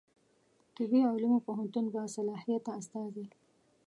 طبي علومو پوهنتون باصلاحیته استازی